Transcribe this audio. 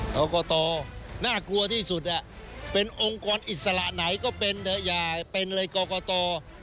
กรกตน่ากลัวที่สุดเป็นองค์กรอิสระไหนก็เป็นเถอะอย่าเป็นเลยกรกต